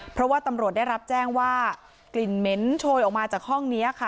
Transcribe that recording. เพราะว่าตำรวจได้รับแจ้งว่ากลิ่นเหม็นโชยออกมาจากห้องนี้ค่ะ